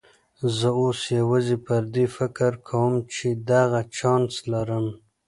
زه اوس یوازې پر دې فکر کوم چې دغه چانس لرم.